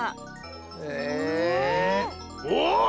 ええ。おっ！